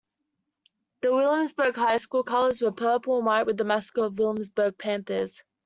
The Williamsburg High School colors were purple and white with the mascot Williamsburg Panthers.